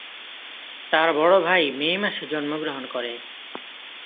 তার বড় ভাই মে মাসে জন্মগ্রহণ করে।